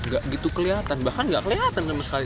gak gitu kelihatan bahkan gak kelihatan sama sekali